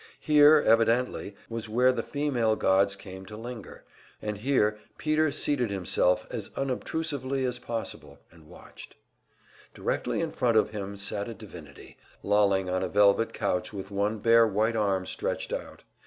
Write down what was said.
Here, evidently, was where the female gods came to linger, and Peter seated himself as unobtrusively as possible, and watched. Directly in front of him sat a divinity, lolling on a velvet couch with one bare white arm stretched out.